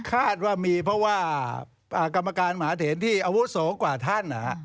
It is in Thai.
คาดว่ามีเพราะว่ากรรมการหมาเถนที่อาวุโสกว่าท่าน